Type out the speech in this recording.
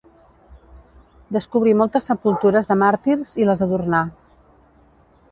Descobrí moltes sepultures de màrtirs i les adornà.